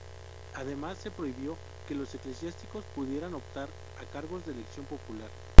Además se prohibió que los eclesiásticos pudieran optar a cargos de elección popular.